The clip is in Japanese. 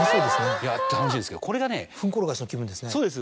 いや楽しんですけどこれがね。糞転がしの気分ですね。